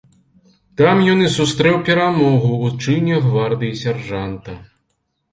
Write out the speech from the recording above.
Там ён і сустрэў перамогу ў чыне гвардыі сяржанта.